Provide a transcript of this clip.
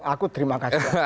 aku terima kasih